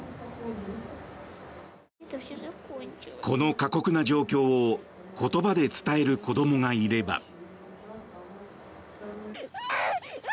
この過酷な状況を言葉で伝える子供がいれば。